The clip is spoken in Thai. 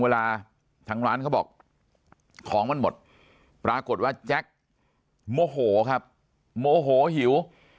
เวลาทางร้านเขาบอกของมันหมดปรากฏว่าแจ็คโมโหครับโมโหหิว